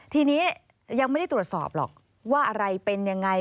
ทีนี้ยังไม่ได้ตรวจสอบหรอกว่าอะไรเป็นยังไง